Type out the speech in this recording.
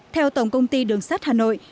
theo tổng công ty đường sắt hà nội